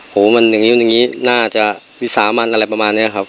โหมันอย่างนี้น่าจะวิสามันอะไรประมาณนี้ครับ